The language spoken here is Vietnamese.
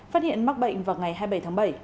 phát hiện mắc bệnh vào ngày hai mươi bảy tháng bảy